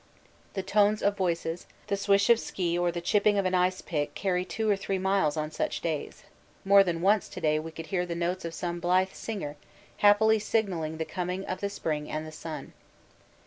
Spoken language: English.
The tones of voices, the swish of ski or the chipping of an ice pick carry two or three miles on such days more than once to day we could hear the notes of some blithe singer happily signalling the coming of the spring and the sun.